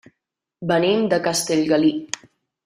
Venim de Castellgalí.